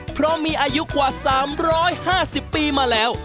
เพราะมีอายุกว่า๓๕๐ปีมาแล้ว